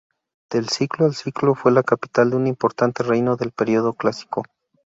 Del siglo al siglo fue la capital de un importante reino del periodo Clásico.